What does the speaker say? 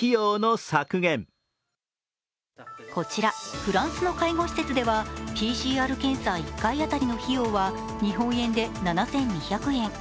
こちら、フランスの介護施設ではＰＣＲ検査１回当たりの費用は日本円で７２００円。